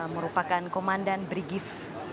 merupakan komandan brigif